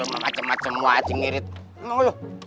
udah ketemu sama si ipang